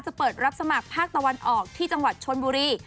เปิดรับสมัครภาคตะวันออกที่จังหวัดชนบุรี